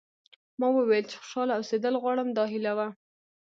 ما وویل چې خوشاله اوسېدل غواړم دا هیله وه.